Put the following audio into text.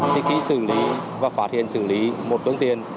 thì khi xử lý và phát hiện xử lý một phương tiện